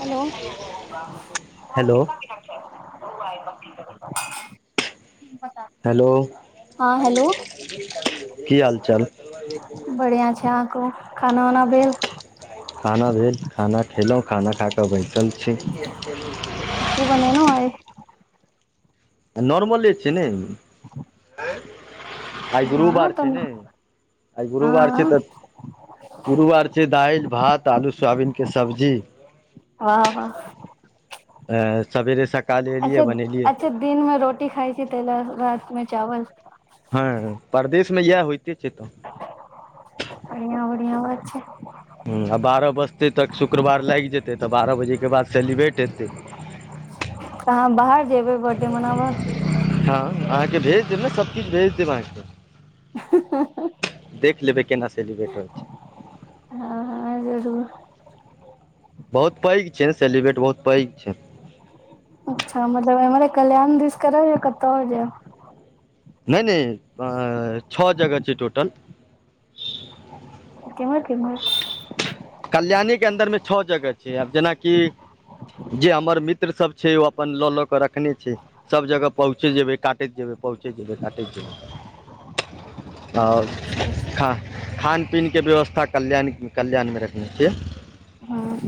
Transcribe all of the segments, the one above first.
Hello hello [unintelligible] बता [unintelligible] hello! की हाल चाल? बढ़िया छै। अहाँ कहुँ खाना -वाना भेल? खाना भेल। खाना खेलहुँ, खाना खााकऽ बैसल छी। की बनेै आइ? नर्माल छै ने। ह। [inaudible] आइ गुरुवार छै। तऽ ने आइ गुरुवार हँ छै तऽ गुरुवार छै। दालि- भात आलू सोयाबीनके सब्जी। वाह! वाह। अ सबेरे सक अच्छा अच्छा दिन में रोटी खाइ छी। तैइ लऽ रात में चावल। [unintelligible] परदेश में इएह होयते छैय तऽ। बढ़िआँ बढ़िआँ होय छै। हुँ आ बारह बजतै तक शुक्रवार लागि जेतै तऽ बारह बजे के बाद सेलिब्रेट हेतै। तऽ अहाँ बाहर जेबै बर्थडे मनाबऽ। हँ अहाँके भेज देब ने सभ किछु भेज देब अहाँके। [unintelligible] देख लेबै केना सेलिब्रेट होइ छैय। हँ हँ जरूर। बहुत पैघ छैय नऽ सेलिब्रेट बहुत पैघ छैय। अच्छा मतलब एम्हरे कल्याण दिस करब या कत्तौ और जाएब। नहि नहि अ-अ छह जगह छैय टोटल। केम्हर केम्हर। कल्याणी कें अन्दर में छह जगह छैय। आब जेनाकि जे हमर मित्र सब छैय, ओ अप्पन लऽ लऽ कऽ रखने छैय। सभ जगह पहुँचे जेबै काटैत जेबै। पहुँचैत जेबै काटैत जेबै। तऽ आओर हँ सही छै खा खान पीन के व्यवस्था कल्याण कल्याण में र के हुँ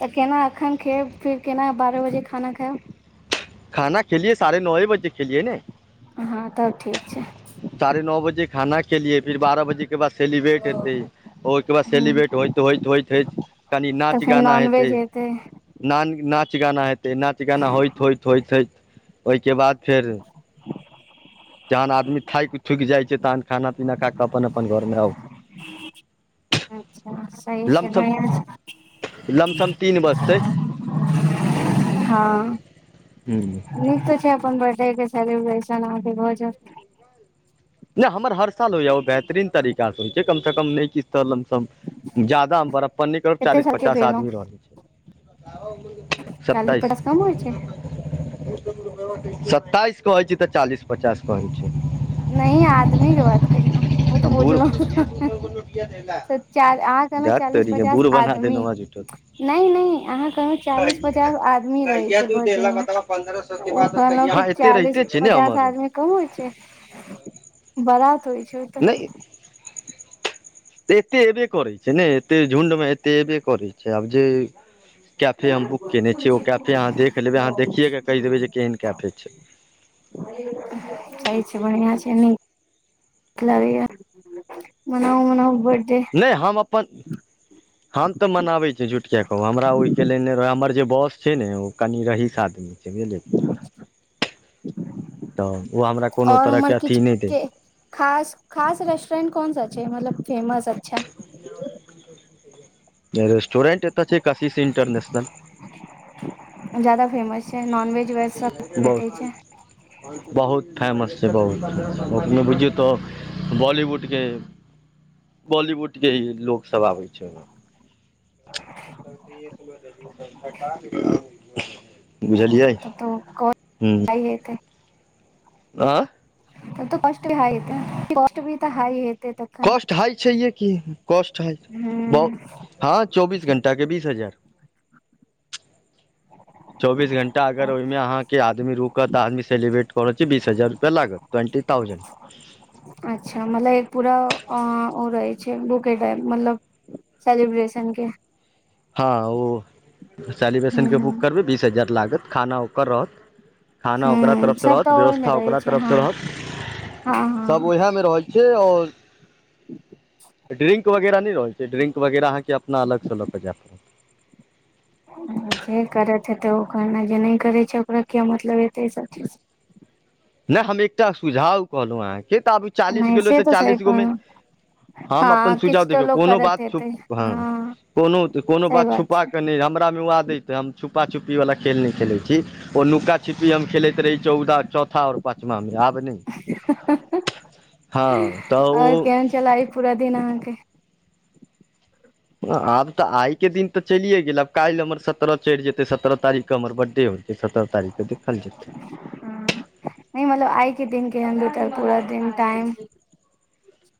तऽ केना अखैन खेब फिर केना बारह बजे खाना खाएब। खाना खेलियै साढ़े नौए बजे खेलियए ने। हँ तब ठीक छैय। साढ़े नौ बजे खाना खेलियै फिर बारह बजे ओहिके बाद सेलिब्रेट हेतैय ओहिके बाद हँ सेलिब्रेट होइत होइत होइत होइत कनि तऽ नाच फेर गाना नॉनवेज हेतैय। हेतै नागीन नाच गाना हेतैय नाच गाना होइत होइत होइत होइत ओहिके बाद फेर जहन आदमी थाकि थुकि जाइ छैय तहन खाना पीना खा कऽ अपन अपन घर में आउ। अच्छा सही छैय लमसम बढ़िआँ छैय। लमसम तीन बजतै हूँ। फेर अप्पन बड्डे के सेलिब्रेशन अहाँके भऽ जाएत। नहि हम्मर हर साल होइयऽ ओ बेहतरीन तरीका सँ होइ छैय। कम सँ कम नहि कि तऽ लमसम जादा हम बड़प्पन नइ करब कते चालीस साल के पचास भेलौं आदमी रहले छैय। चालीस सत्ताइस पचास कम होइ छै सत्ताइस कहे छी तऽ चालीस पचास कहे छी। नइ आदमी के बात करलहुँ ओ तऽ हम बूढ़ बूझलहुँ। सच्चाई अहाँ कहलहु दैट चालीस तोरीके पचास बूढ़ बना आदमी देलहुँ हेँ झूठो नइ नइ अहाँ कहै चालीस पचास आदमी रहै छै बड्डे में ओ कहलहुँ की हँ एते चालीस रहिते छै ने पचास हमर आदमी कब होइ छैय, बरात होइ छैय ओतऽ। ते एत्ते एबे करैय छैय ने एते झुण्डमे एते एबे करैय छैय। आब जे कैफे हम बुक केने छियै ओ कैफे अहाँ देख लेबैय, अहाँ देखिएके कहि देबैय जे केहन कैफे छैय। सही छैय बढ़िआँ छैय नीक नीक लागैए मनाउ मनाउ बड्डे। नहि हम अप्पन [inaudible] हम तऽ मनाबै छीै, झुठ किया कहू हमरा ओहिके लेल ने रहऽ हमर जे बाँस छैय ने ओ कनि रहीस आदमी से बुझलियै [inaudible] त ओ हमरा कोनो तरहके अथी नहि दै। खास-खास रेस्टोरेंट कोन सा छै, मतलब फेमस अच्छा? [inaudible] रेस्टोरेंट एत छै, कशिश इंटरनैशनल। जादा फेमस छै। नॉनवेज, वेज सब भेटै बहुत छै। बहुत फैमस छै बहुत, एखने बुझियौ त बॉलीवुडके [inaudible] बॉलीवुडके ही लोक सब आबै छै ओइमे। [inaudible] [unintelligible] बुझलियै तब तऽ कॉस्ट [inaudible] हुं। [unintelligible] आ तब त कास्ट हाइ हेतै। कास्ट भी त हाइ हेतै त। कॉस्ट हाइ छैेहे की। कॉस्ट हाइ [inaudible] ब हूँ हं चौबीस घण्टाके बीस हजार। चौबीस घंटा अगर ओइमे अहाँके आदमी रूक कत आदमीे सेलिब्रेट क रहल छी? बीस हजार रुपैआ लागत, ट्वेंटी ताउजेन अच्छा मतलब एक पूरा ओ ओ रहै छै, बू के डायल मतलब सेलिब्रेशन के। हं ओ हूँ सेलिब्रेसनके बुक हूँ करबै बीस हजार लागत, खाना ओकर रहत। खाना हूँ ओकरा हूँ तरफ स सब रहत, तऽ ओहिमे व्यवस्था रहै ओकरा छै तरफ हँ स रहत हँ [inaudible] सब ओहे मे रहै छै आओर ड्रिंक वगैरह नै रहै छै। ड्रिंक वगैरह अहाँके अपना अलग स ल क जाए पर। जे करैत हेतै ओकरा न, जे नै करै छै ओकरा किए मतलब हेतै ई सभ चीज सं? नै हम एकटा सुझाव कहलौं अहाँके त आब चालीस नहि गेलौं से त तऽ सही चालीस गो मे कहलौं हम अपन हँ सुझाव, किछ तऽ देखियौ लोक कोनो करत बात हेतै चूप हं हँ कोनो त कोनो सही बात छै छुपाके नै हमरा मे ओ आदति से हम छुपा छुपी बला खेल नै खेलै छी। ओ नुका छीपी हम खेलैत रही चौदा था आओर पाचमांमे आब नै [inaudible] हँ त ओ चलाइ पूरा दिन अहाँके। आब त आइके दिन त चलिए गेल आब काल्हि हमर सत्ररह चढ़ि जेतै। सत्रह तारीखके हमर बर्थडे होैइ जे सत्तरह तारीखके देखल जेतै। नै मतलब आइ के दिन केहेन बीतल पूरा दिन टाइम।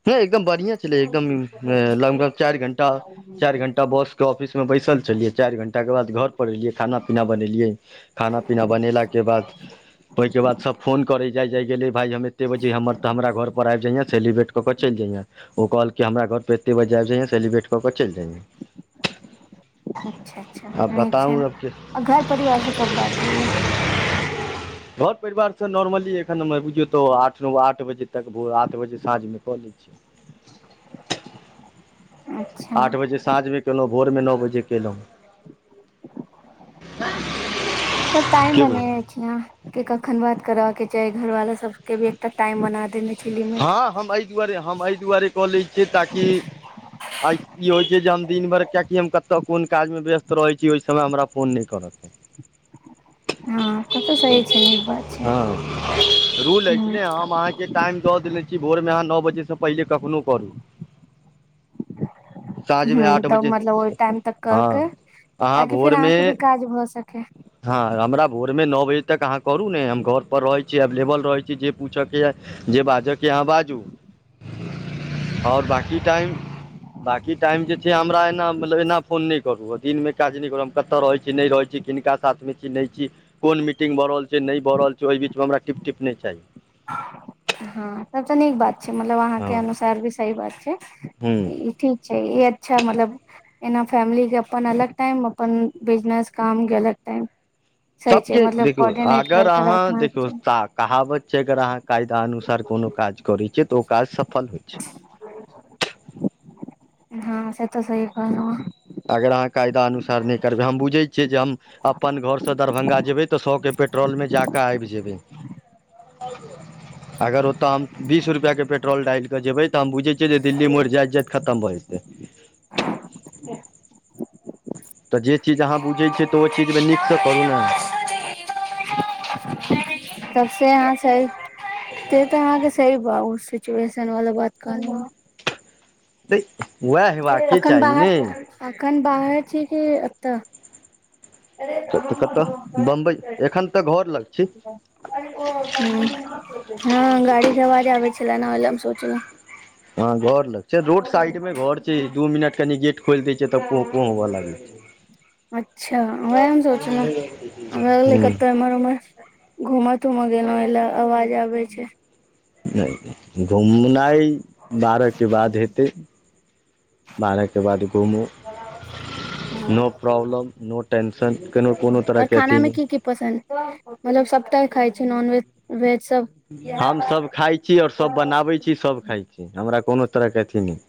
नै एकदम बढ़िएं छलै। एकदम लगभग चारि घण्टा चारि घण्टा बासके ऑफिसमे बैसल छलियै। चारि घण्टाके बाद घरपर एलियै खाना पीना बनेलियै। खाना -पीना बनेला के बाद, ओइ के बाद सब फोन करेै जाय -जाय गेलै। भाइ हम एते बजे हमर त हमरा घर पर आबि जैहे सेलिब्रेट क के चलि जैहें। ओ कहलकै हमरा घर पर एते बजे आबि जैहें सेलिब्रेट क क चैल जैहें। अच्छा-अच्छा नीक छें बताउ आब कि आ घर परिवारसं कब बात होइया। घर परिवार स नॉर्मली एखन हमर बुझियौ त आठ न ओ आठ बजे तक भोर आठ बजे साँझमे क लै छिअइ। अच्छा आठ बजे साँझमे केलौं, भोर मे न बजे केलौं। [inaudible] सबटा ऐ की बुझलियै मने जाह के कखन बात करबाके चाही, घरवालो सब के भी एकटा टाइम बना देने छी लिमिट हँ हम ऐ दुआरे, हम ऐ दुआरे क लै छियै ताकि आइ की होइ छै जे हम दिन भैर किएकि हम कत कोन काजमे व्यस्त रहै छी। ओइ समय हमरा फोन नै करत। [inaudible] हँ कते सही छै, नीक बात छै। हँ रूल अछि ह ने हम अहाँके टाइम दऽ देने छी भोर मे आहाँ नौ बजे स पहिले कखनो करू। साँझमे हूं आठ तब बजे मतलब ओय टाइम तक क हँ के अहाँ ताकि फेर आहाँ भोरमे के भी काज भए सके। हँ हमरा भोर में नौ बजे तक आहाँ करू ने हम घर पर रहै छि अबलेबल रहै छीयै जे पूछके या जे बाजके अहाॅं बाजू। और बाकी टाइम बाकी टाइम जे छै हमरा एना मतलब एना फोन नैय करू आ दिनमे काज नैय करू हम कतऽ रहै छी नैय रहै छी किनका साथ मे छी नैय छी कोन मीटिंग भऽ रहल छैय नैय भऽ रहल छै ओय बीच मे हमरा टिप- टिप नैय चाही। हँ तब त नीक बात छै मतलब आहाँ हँ के अनुसार भी सही बात छैय। हूँ इ ठीक छै इ अच्छा मतलब एना फैमिली के अपन अलग टाइम अपन बिजनेस काम के अलग टाइम। सही सब छै के मतलब देखियो कोर्डिनेट अगर कर के आहाँ रखना देखियौ छै ताक कहावत छै अगर आहाँ कायदा अनुसार कोनो काज करै छियै तऽ ओ काज सफल होय छैय। हँ से तऽ सही कहलौं आहाँ। अगर आहाँ कायदा अनुसार नैय करबै हम बुझै छियै जे हम अपन घर स दरभंगा जेबै तऽ सौ के पेट्रोल मे जाकऽ अैब जेबै। [inaudible] अगर ओतऽ हम बीस रुपया के पेट्रोल डैल कऽ जेबै तऽ हम बुझै छियै जे दिल्ली मोड़ जाइत -जाइत खतम भऽ जेतै। तऽ जे चीज आहाँ बुझै छियै तऽ ओ चीज मे नीक स करू ने। तब से आहाँ छैय तै तऽ आहाँके सही बात ओ सिचुएशन वाला बात कहलौ हन। तऽ उएह हेबाके अखन चाही बाहर ने। अखन बाहर छी कि एतऽ? तऽ कतऽ बम्बइ एखन तऽ घर लग छी। हूँ हं गाड़ी के आवाज आबै छेला ने ओहिले हम सोचलौं। हं घर लग छैय रोड साइड में घर छै दू मिनट कनि गेट खोइल दै छैय तऽ पौं -पौं हुए लागै छैय। अच्छा वएह हम सोचलौं हमरा भेलइ हूँ कतऽ एम्हर -उम्हर घूमऽ- तूमऽ गेलों एैले आवाज आबे छैय। नैय घुमनाय बारह के बाद हेतै। बारह के बाद घूमू‌। हँ नो प्रॉब्लम, नो टेंन्शन केनो कोनो तरह के अथि नैय। पसंन्द मतलब सबटा खाय छैय नॉनवेज वेज। सब हमसब खाय छी और सब बनाबै छी सब खाय छी हमरा कोनो तरहके अथी नैय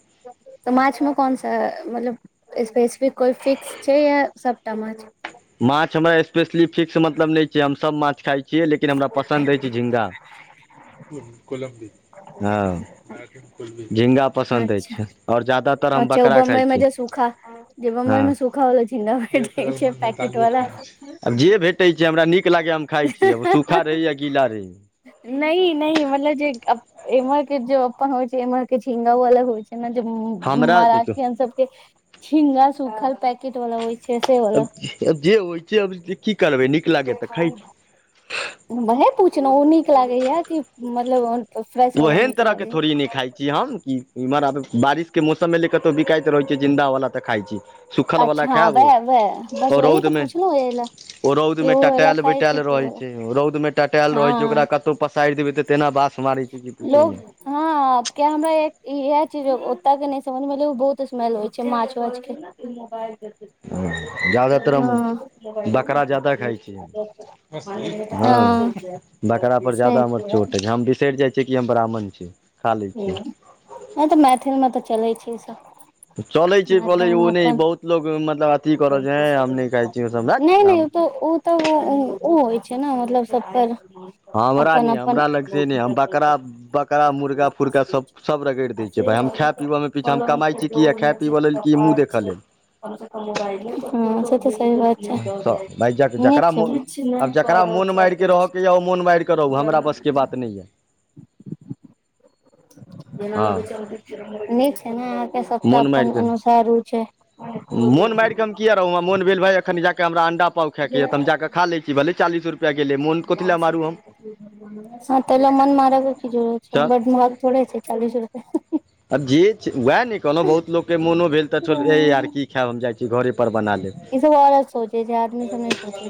तऽ माछमे कोन सा मतलब स्पेसिफिक कोय फिक्स छै या सबटा माछ? माछ हमरा स्पेशली फिक्स मतलब नैय छै हम सब माछ खााय छियै लेकिन हमरा पसन्द अैछ झिंगा कोलंबी हँ झिंगा पसंन्द अैछ अच्छा ओर ज्यादा अच्छा ओ बम्बई मे जे सूखा जे बम्बई हँ मे सूखा वला झींगा भेटै छै पैक आबजे भेटै छै। हमरा नीक लागैयै हम खाय छी। आब ओसूखा रहे या गीला रहे। नै नै मतलब जे अप एम्हर के जो अपन होइ छै एम्हर के झिंगा ऊ अलग होइ छै। एना जे हमरा देखियौ महाराष्ट्रीयन सब के छिंगल सुूखल पैकेट वाला छै से वाला आब जे होइ छै आब की करबै नै भने पुछलौं ओ नीक लागैया कि मतलब ओ फ्रेश वला ओहन निक तरहके लागैयै। थोड़ी नहि खाइ छी हम इमहर बारिश के मौसम मे ल कतौ बिकाइत रहै छै जिन्दा वला तऽ खाय छी। सूखलवला अच्छा खायब वैह वैह बस ओ वही तऽ रौदमे पूछलौं ओहिले। ओ रौद में टटायल टटायल रहे छै। रौद मे टटायल रहे छै। ओकरा हँ कत पसारि देबै तऽ तेना बास मारै छै कि पूछू लोग नै हँ। आ के हमरा इहे चीज ओते के नहि समझ मे एलै कि बहुत स्मेल अबै छै, माछ वाछ के मबाइ [unintelligible] ज्यादातर हम बकरा ज्यादा खाइ छियै। खस्सी, हँ बकरा पर से ज्यादा हमर चोट अछि। हम सठि जाइ छै कि हम ब्राह्मण छियै। खा लै हं तऽ मैथिलमे तऽ चलै छै ई सब। चलै छै पलै मैथिल छै ओ मे नहि अपन बहुत लोक मतलब आब नहि नहि ओ हम तऽ ओ तब ओ ओ होइ छै ने मतलब सब पर हमरा अपन नै अपन हमरा लग से नै हम बकरा बकरा मुर्गा फर्गा सब सब रगैड़ देय छी। भाई हम खाय पीबऽमे पीछे नै, हम कमाइ छी कि आ खाय पीबऽ लेल कि मुँह देखऽ लेल। हँ से तऽ सही बात। छै भाय नीक जकरा छै आब जकरा मोन मारि कऽ रहयके ये ओ मोन मारि कऽ रहू, हमरा बस के बात नहि ये। जेना हँ लगै छै अहांके नीक छै ने अहाँके सबटा मोन मारि अपन कऽ अनुसार होइ छै। मोन मारिऽ हम किए रहु, मन भेल भाय अखन जा कऽ हमरा अंडा पाव खाइके ये त हम जा कऽ खा लै छी, भले चालीस रुपए ले गेल मोन कथी ब लए से ठ मारू हम [unintelligible] हँ त ल मन मार र की जड़ै छै। चल बड मग ोड़े छै चालीस रुपस [unintelligible] आब जे छै वैह ने। कहलहु बहुत लोकके मोनो भेल तऽ चल ऐ यार की खायब हम जाइ छी, घरे पर बना लेब। ई सब औरत सोचे छै आदमी सब नहि सोचे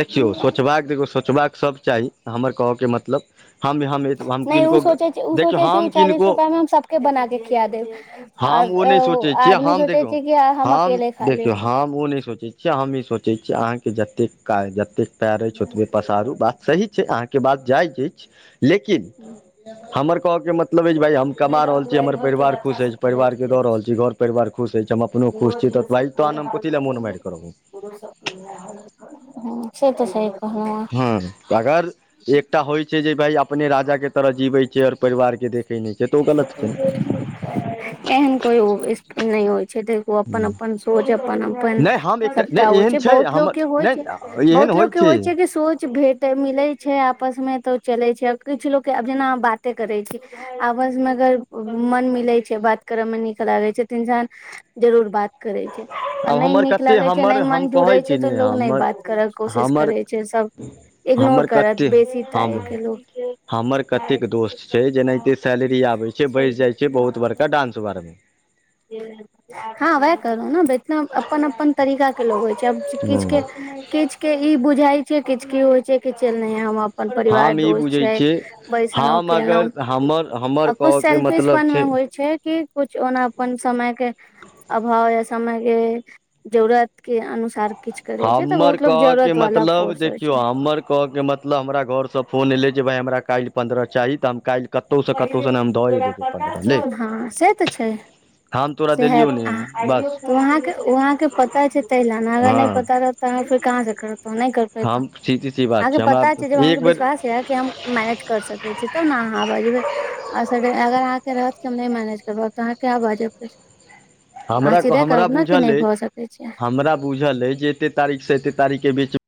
देखियौ छै सोचबाक देखौ सोचबाक सब चाही, हमर कहऽके मतलब हम हम हम नहि ओ किनको सोचै छै, ओ देखियौ सोचे छै ओ हम चालीस किनको रुपआ मे हम सब के बना के खिया देब आ हम ओ नहि सोचै छियै आदमी हम सोचे देखियौ छै कि हम अकेले खा लेब। हम ओ नहि सोचै छियै हम ई सोचै छियै अहाँके जतेक काज जतेक पयर अछि ओतबे पसारू बात सही छै, अहाँके बात जायज अछि लेकिन हमर कह के मतलब अछि जे भाइ कमा रहल छी, हमर परिवार खुश अछि परिवार के दऽ रहल छी, घर परिवार खुश अछि, हम अपनो खुश छी त तखन हम कथि ले मोन मारि के रहब। हं से तऽ छै हं। हँ अगर एकटा होइ छै जे भाय अपने राजा के तरह जीवै छी और परिवारके देखै नहि छै तऽ ओ गलत छै। एहन कोइ ओ नै होइ छै। ओ अपन अपन सोच अपन अपन नहि हम एकटा सबटा नहि होइ एहन छै। बहुत लोग हमर के होइ छै। नहि बहुत एहन लोक के होइ छै कि सोच भेट तऽ मिलै छै आपसमे तऽ चलै छै किछु लोकके आब जेना बाते करै छै। आपस मे अगर मन मिलै छै बात करै त नीक लागै छै तऽ इन्सान जरूर बात करे छै आ आब नै हमर नीक कते लागे छै, नै हमर हम मन जुड़े कहै छी छै ने तऽ लोग नै हमर बात करा के कोशिश हमर करै छै, सब हमर इग्नोर करत कते बेसी हम टाए के लोग हमर कतेक दोस्त छै, जेना कि सैलरी आबै छै बैस जाय छै बहुत बड़का डांस बार मे। हां वाएह कहलौ नै बे [unintelligible] अपन-अपन तरीका के लोग होय छै, आब किछ के हूँ किछ के ई बुझाय छै, किछ की होय छै कि चल नै हम अ पन परिवार हम ई दोस्त बुझै छै, छियै बैसलौ हम केलौ अगर हमर आ हमर कुछ कहऽके मतलब सेल्फिसपन मे होय छै। की कुछ ओना अपन समय के अभाव या, समय के जरूरत के अनुसार किछ करे छै तऽ हमर बहुत लोग कहऽ के जरूरत वाला मतलब फोर्स होइ देखियौ छै हमर कहऽ के मतलब हमरा घर से फोन अयलै जे भाय हमरा काएल पंद्रअ चाही तऽ हम काएल ले हां से तऽ छै। हम तोरा सेहाए देलियौ ने अहाँ बस उ अहाँ के, उ अहाँ के पता छै तै लए नै, अगर नै हँ पता रह त अहाँ फेर कहां से करतो नै कर पेतो, हम सीधी सी अहाँ बात के हमरा पता छै जब अहाँ के एक बेर विश्वास कियाएकि हम मैनेज कर सके छी, तब ने अहाँ अगा जेबै। [unintelligible] अगर अहाँके रहत कि हम नै मैनेज करब तऽ अहाँ कियाए बाजब फेर। अहाँ हमरा, सीधे हमरा कहब ने कि बुझल नहि अय, भऽ सकै छै हमरा बुझल अय जे एते तारीख से एते तारीख के बीच